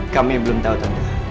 kami belum tau tante